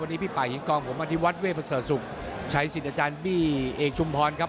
วันนี้พี่ป่าหิงกองผมมาที่วัดเวพศสุกชัยสิทธิ์อาจารย์บี้เอกชุมพรครับ